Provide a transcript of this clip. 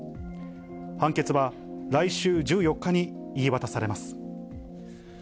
判決は来週１４日に言い渡されます。